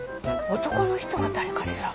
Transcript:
男の人は誰かしら？